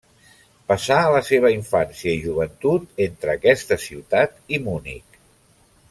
Passà la seva infància i joventut entre aquesta ciutat i Munic.